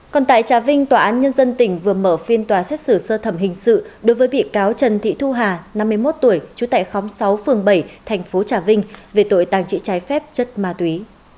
còn tại trà vinh tòa án nhân dân tỉnh vừa mở phiên tòa xét xử sơ thẩm hình sự đối với bị cáo trần thị thu hà năm mươi một tuổi chú tại khóm sáu phường bảy thành phố trà vinh về tội tàng trữ trái phép chất ma túy